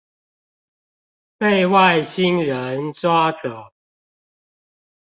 被外星人抓走